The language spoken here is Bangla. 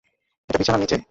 এটা বিছানার নিচে।